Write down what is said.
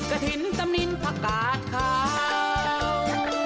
กระถิ่นตำนินผักกาดขาว